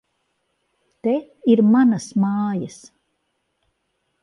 Te ir manas mājas!